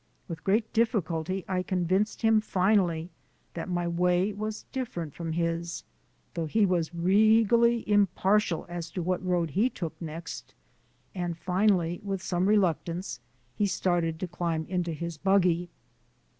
With great difficulty I convinced him finally that my way was different from his though he was regally impartial as to what road he took next and, finally, with some reluctance, he started to climb into his buggy.